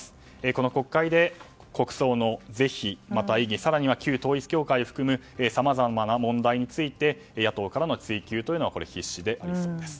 この国会で国葬の是非、また意義更には旧統一教会を含むさまざまな問題について野党からの追及が出そうです。